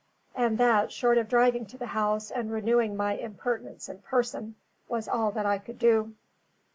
And that, short of driving to the house and renewing my impertinence in person, was all that I could do.